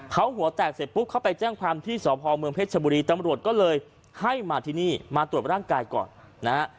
เขาหัวแตกเสร็จปุ๊บเขาไปแจ้งความที่สพเมืองเพชรชบุรีตำรวจก็เลยให้มาที่นี่มาตรวจร่างกายก่อนนะฮะ